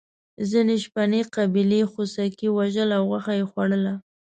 ځینې شپنې قبیلې خوسکي وژل او غوښه یې خوړله.